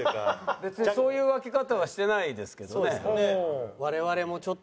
別にそういう分け方はしてないですけどね。